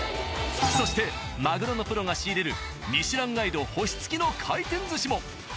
そしてマグロのプロが仕入れる「ミシュランガイド」星付きの回転寿司も。